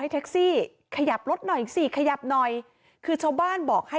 แต่แท็กซี่เขาก็บอกว่าแท็กซี่ควรจะถอยควรจะหลบหน่อยเพราะเก่งเทาเนี่ยเลยไปเต็มคันแล้ว